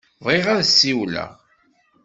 Bɣiɣ ad d-ssiwleɣ.